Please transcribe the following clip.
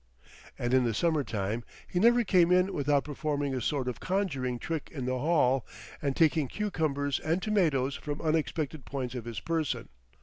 And in the summer time he never came in without performing a sort of conjuring trick in the hall, and taking cucumbers and tomatoes from unexpected points of his person.